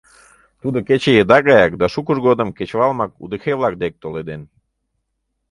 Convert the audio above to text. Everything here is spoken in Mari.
Тудо кече еда гаяк да шукыж годым кечывалымак удэхей-влак дек толеден.